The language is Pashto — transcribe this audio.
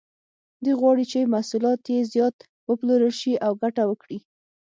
دوی غواړي چې محصولات یې زیات وپلورل شي او ګټه وکړي.